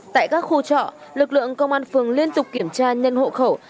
tại các khu trọ lực lượng công an phường liên tục kiểm tra nhân hộ khẩu